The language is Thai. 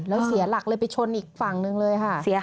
แล้วเสียหลักเลยไปชนอีกฝั่งหนึ่งเลยค่ะ